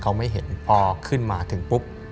เขาไม่เห็นพอขึ้นมาถึงปุ๊บ